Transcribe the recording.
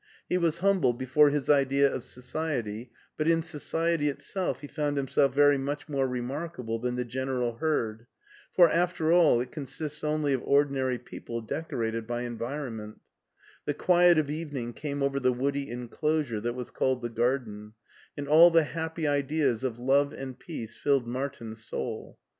He was himible before his idea of society, but in so ciety itself he found himself very much more, remark able than the general herd, for, after all, it consists only of ordinary people decorated by environment The quiet of evening came over the woody enclosure that was called the garden, and all the happy ideas of love and peace filled Martin's soul.